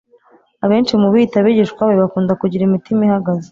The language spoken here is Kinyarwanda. Abenshi mu biyita abigishwa be, bakunda kugira imitima ihagaze;